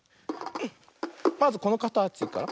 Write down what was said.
まずこのかたちから。